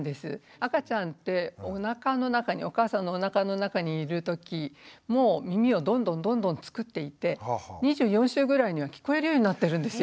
赤ちゃんっておなかの中にお母さんのおなかの中にいるときもう耳をどんどんどんどんつくっていて２４週ぐらいには聞こえるようになってるんですよ。